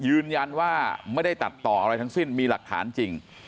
ยืนยันว่าไม่ได้ตัดต่ออะไรทั้งสิ้นมีหลักฐานจริง